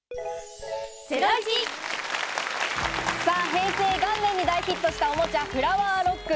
平成元年に大ヒットしたおもちゃ、フラワーロック。